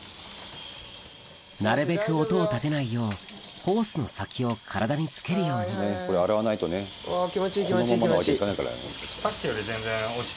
なるべく音を立てないようホースの先を体につけるようにあ気持ちいい気持ちいい気持ちいい。